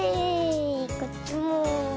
こっちも。